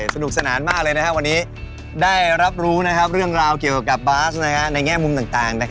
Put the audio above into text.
สนุกสนานมากเลยวันนี้ได้รับรู้เรื่องราวเกี่ยวกับบาสในแง่มุมต่าง